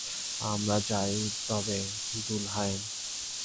আমরা যাই তবে, দুলহায়েন।